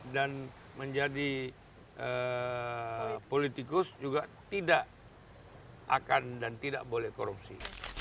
dan menjadi politikus juga tidak akan dan tidak boleh korupsi